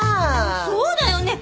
そうだよね。